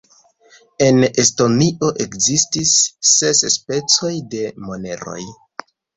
En Estonio ekzistis ses specoj de moneroj.